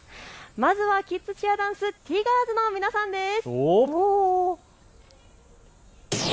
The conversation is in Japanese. まずはキッズチアダンス、ティガーズの皆さんです。